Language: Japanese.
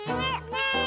ねえ！